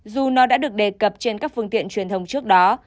dù nó đã được đề cập trên các phương tiện truyền thông trước đó